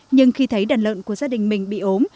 nhưng khi thấy đàn lợn của gia đình mình bị ốm